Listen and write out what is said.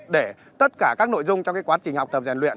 để tất cả các nội dung trong quá trình học tập rèn luyện